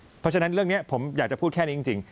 เพราะฉะนั้นเรื่องนี้ผมอยากจะพูดแค่นี้จริง